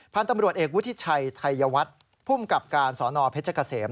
พันธุ์ตำรวจเอกวุฒิชัยไทยวัฒน์ภูมิกับการสนเพชรเกษม